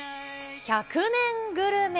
１００年グルメ。